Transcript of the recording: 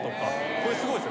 これすごいですよ。